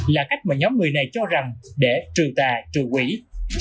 là cách mà nhóm trừ quỹ bảo lộc thực hiện chữa trị cho người bệnh